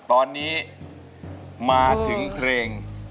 ตอนนี้มาถึงเพลง